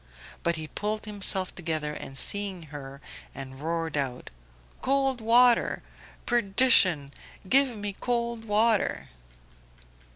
But he pulled himself together on seeing her, and roared out "Cold water! Perdition! Give me cold water."